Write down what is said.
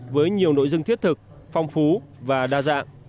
với nhiều nội dung thiết thực phong phú và đa dạng